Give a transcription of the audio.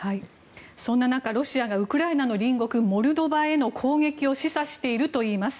そんな中、ロシアがウクライナの隣国モルドバへの攻撃を示唆しているといいます。